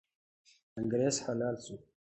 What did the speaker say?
انګریز حلال سو.